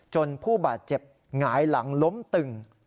ผู้บาดเจ็บหงายหลังล้มตึง